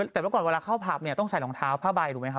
แต่เมื่อก่อนเวลาเข้าผับเนี่ยต้องใส่รองเท้าผ้าใบถูกไหมครับ